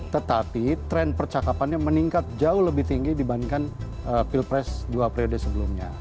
tetapi tren percakapannya meningkat jauh lebih tinggi dibandingkan pilpres dua periode sebelumnya